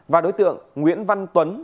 và đối tượng nguyễn văn tuấn